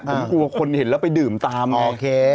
ผมกลัวคนเห็นแล้วไปดื่มตามโอเค